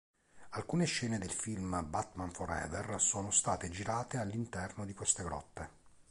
Alcune scene del film Batman Forever sono state girate all'interno di queste grotte.